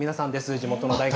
地元の大学。